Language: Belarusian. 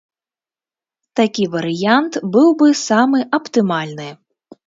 Такі варыянт быў бы самы аптымальны.